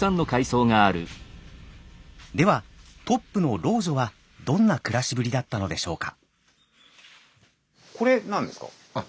ではトップの老女はどんな暮らしぶりだったのでしょうか。